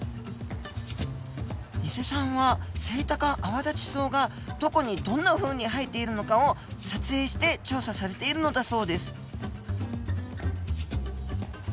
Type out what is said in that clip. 伊勢さんはセイタカアワダチソウがどこにどんなふうに生えているのかを撮影して調査されているのだそうです。